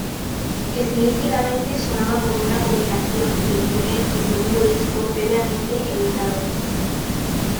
Estilísticamente sonaba como una combinación del primer y segundo disco previamente editados.